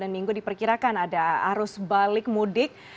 minggu diperkirakan ada arus balik mudik